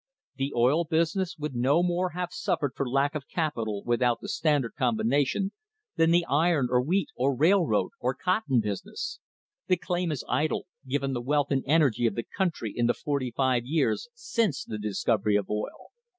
The oil business would no more have suf * The Petroleum Age, Volume I, page 35. CONCLUSION fered for lack of capital without the Standard combination than the iron or wheat or railroad or cotton business. The claim is idle, given the wealth and energy of the country in the forty five years since the discovery of oil.